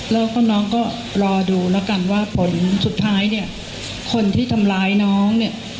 แล้วก็น้องก็รอดูแล้วกันว่าผลสุดท้ายเนี่ยคนที่ทำร้ายน้องเนี่ย